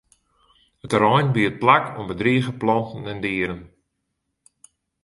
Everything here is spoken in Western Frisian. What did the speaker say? It terrein biedt plak oan bedrige planten en dieren.